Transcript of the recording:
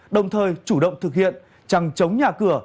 đồng thời chủ động thực hiện trăng chống nhà cửa